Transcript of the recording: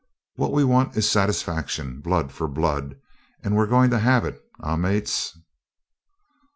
What we want is satisfaction blood for blood and we're a goin' to have it, eh, mates?'